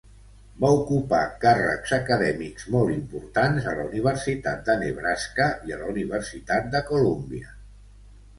Va ocupar càrrecs acadèmics molt importants a la Universitat de Nebraska i a la Universitat de Columbia.